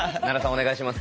お願いします。